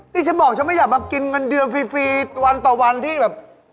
นี่ฉันบอกฉันไม่อยากมากินเงินเดือนฟรีวันต่อวันที่แบบ